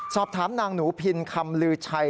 สอบถามนางหนูพินคำลือชัย